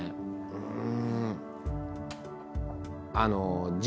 うん。